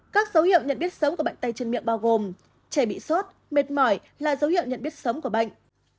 các dấu hiệu nhận biết sớm của bệnh tay chân miệng bao gồm trẻ bị sốt mệt mỏi là dấu hiệu nhận biết sớm của bệnh